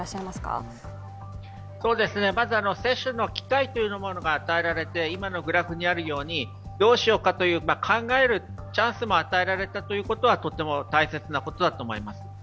まず、接種の機会というものが与えられて今のグラフにあるようにどうしようかと考えるチャンスも与えられたということはとても大切なことだと思います。